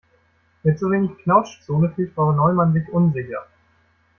Mit so wenig Knautschzone fühlt Frau Neumann sich unsicher.